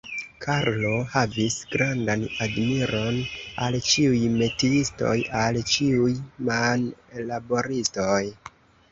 Karlo havis grandan admiron al ĉiuj metiistoj, al ĉiuj manlaboristoj.